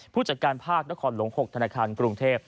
ผู้จัดการภาคนครหลวง๖ธนาคารกรุงเทพ